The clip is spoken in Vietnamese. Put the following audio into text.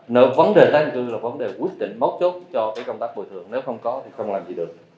nợ vấn đề tái định cư là vấn đề quyết định mấu chốt cho công tác bồi thường nếu không có thì không làm gì được